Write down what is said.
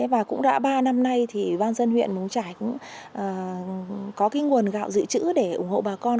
và cũng đã ba năm nay thì ban dân huyện mông trải cũng có cái nguồn gạo dự trữ để ủng hộ bà con